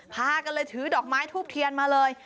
พากันเลยถือดอกไม้ทูบเทียนมาเลย